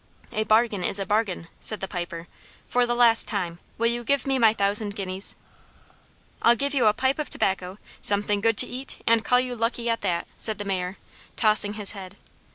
"A bargain is a bargain," said the Piper; "for the last time, will you give me my thousand guineas?" "I'll give you a pipe of tobacco, something good to eat, and call you lucky at that!" said the Mayor, tossing his head.